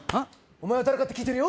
お前は誰かって聞いてるよ